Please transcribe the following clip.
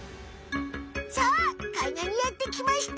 さあかいがんにやってきました。